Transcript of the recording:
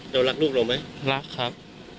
เรารักลูกเราไหมรักครับ